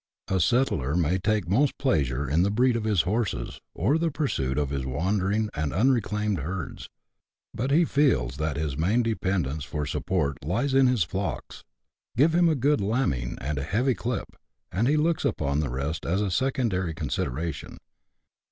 A settler may take most pleasure in the breed of his horses, or the pursuit of his wandering and unreclaimed herds, but he feels that his main dependence for support lies in his flocks ; give him a good lambing and a heavy " clip," and he looks upon the rest as a secondary consideration.